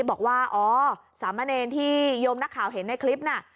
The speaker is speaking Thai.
บอกว่าอ๋อสามเณรที่โยมนักข่าวเห็นในคลิปน่ะ